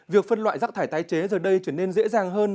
việc phân loại rác thải tái chế giờ đây trở nên dễ dàng hơn